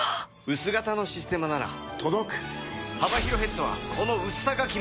薄型の「システマ」なら届く「システマ」